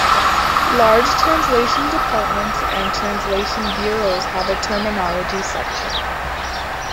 Large translation departments and translation bureaus have a "Terminology" section.